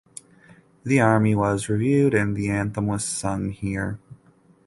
The army was reviewed and the anthem was sung here.